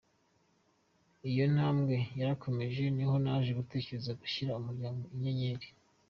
Iyo ntambwe yarakomeje niho naje gutekereza gushinga Umuryango Inyenyeri.